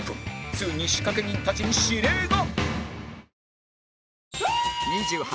ついに仕掛人たちに指令が！